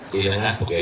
di tengah pekej pak